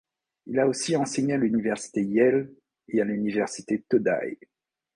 Il a aussi enseigné à l'université Yale et à l'université Todai.